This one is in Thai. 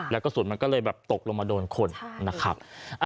แล้วกระสุนมันก็เลยแบบตกลงมาโดนคนนะครับ